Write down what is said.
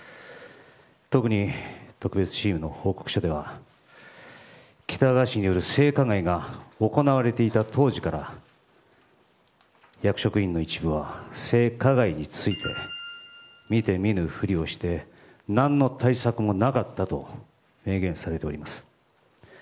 特に特別チームの報告書では喜多川氏による性加害が行われていた当時から役職員の一部は性加害について見て見ぬふりをして何の対策もなかったと明言されております。